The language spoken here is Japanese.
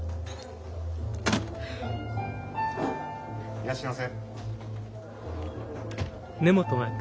いらっしゃいませ。